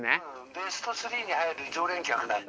ベスト３に入る常連客なんだけど。